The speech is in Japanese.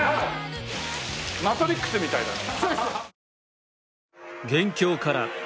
『マトリックス』みたいだね。